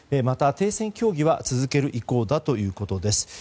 また停戦協議は続ける意向だということです。